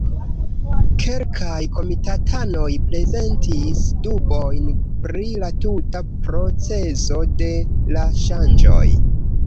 Kelkaj komitatanoj prezentis dubojn pri la tuta procezo de la ŝanĝoj.